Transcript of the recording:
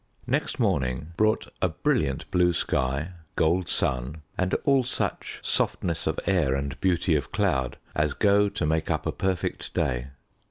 Next morning brought a brilliant blue sky, gold sun, and all such softness of air and beauty of cloud as go to make up a perfect day.